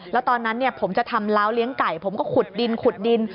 แล้วตอนนั้นผมจะทำล้าวเลี้ยงไก่ผมก็ขุดดินขุดดิน